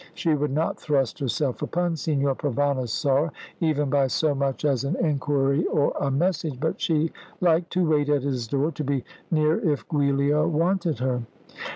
She would not thrust herself upon Signor Provana's sorrow even by so much as an inquiry or a message; but she liked to wait at his door to be near if Giulia wanted her.